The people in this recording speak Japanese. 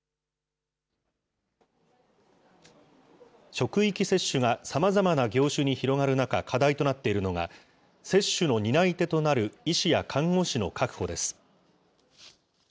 職域接種がさまざまな業種に広がる中、課題となっているのが、接種の担い手となる医師や看護師の確保です。